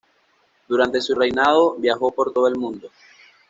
Durante su reinado viajó por todo el mundo.